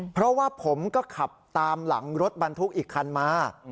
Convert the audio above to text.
เพราะว่าผมก็ขับตามหลังรถบรรทุกอีกคันมา